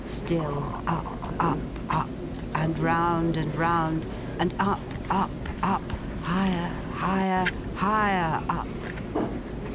Still up, up, up; and round and round; and up, up, up; higher, higher, higher up!